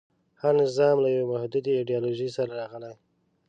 هر نظام له یوې محدودې ایډیالوژۍ سره راغلی.